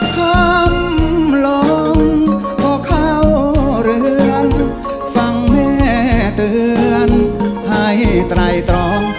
คำลงพอเข้าเรือนฟังแม่เตือนให้ไตรตรอง